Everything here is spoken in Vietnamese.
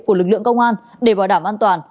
của lực lượng công an để bảo đảm an toàn